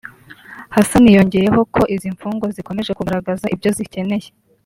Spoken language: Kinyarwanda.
Hassan yongeyeho ko izi mfungwa zikomeje kugaragaza ibyo zikeneye